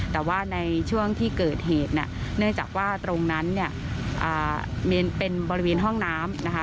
แต่ว่าในช่วงที่เกิดเหตุเนี่ยเนื่องจากว่าตรงนั้นเนี่ยเป็นบริเวณห้องน้ำนะคะ